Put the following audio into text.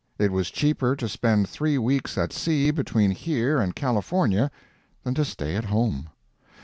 It was cheaper to spend three weeks at sea between here and California, than to stay at home.